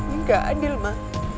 ini gak adil ma